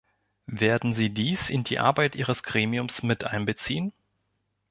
Werden Sie dies in die Arbeit Ihres Gremiums miteinbeziehen?